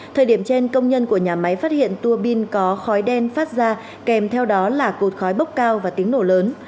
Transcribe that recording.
thời điểm trên công nhân của nhà máy phát hiện tua bin có khói đen phát ra kèm theo đó là cột khói bốc cao và tiếng nổ lớn